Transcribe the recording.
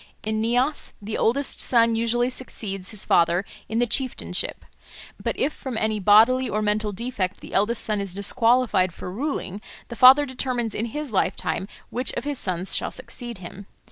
In Nias the eldest son usually succeeds his father in the chieftainship. But if from any bodily or mental defect the eldest son is disqualified for ruling, the father determines in his lifetime which of his sons shall succeed him.